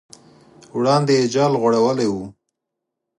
وړاندې یې جال غوړولی و.